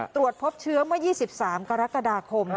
ตรวจพบเชื้อเมื่อ๒๓กรกฎาคม